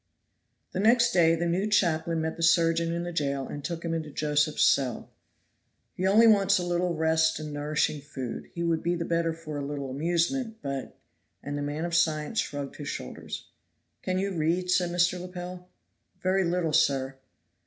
The next day the new chaplain met the surgeon in the jail and took him into Josephs' cell. "He only wants a little rest and nourishing food; he would be the better for a little amusement, but " and the man of science shrugged his shoulders. "Can you read?" said Mr. Lepel. "Very little, sir."